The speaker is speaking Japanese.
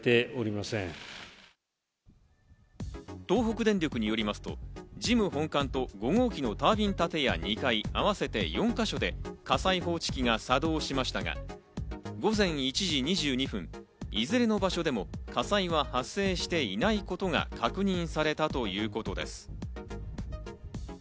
東北電力によりますと、事務本館とタービン建屋２階、合わせて４か所で火災報知機が作動しましたが、午前１時２２分、いずれの場所でも火災は発生していないことが確認されたということです。